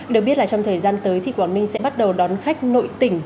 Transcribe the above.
được biết là trong thời gian tới thì quảng ninh sẽ bắt đầu đón khách nội tỉnh